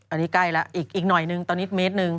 อันนี้ใกล้แล้วอีกหน่อยนึงตอนนี้เมตรหนึ่ง